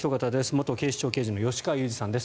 元警視庁刑事の吉川祐二さんです。